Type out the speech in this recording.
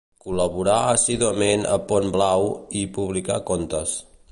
Col·laborà assíduament a Pont Blau i hi publicà contes.